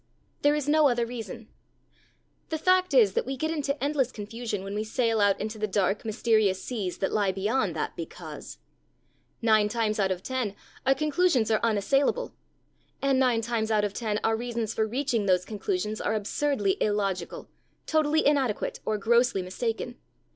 _' There is no other reason. The fact is that we get into endless confusion when we sail out into the dark, mysterious seas that lie beyond that 'because.' Nine times out of ten our conclusions are unassailable. And nine times out of ten our reasons for reaching those conclusions are absurdly illogical, totally inadequate, or grossly mistaken.